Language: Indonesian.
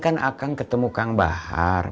kemarin saya ketemu kang bahar